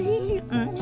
うん。